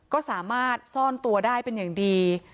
ก็สามารถซ่อนตัวได้เป็นอย่างดี